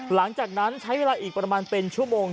หลังจากนั้นใช้เวลาอีกประมาณเป็นชั่วโมง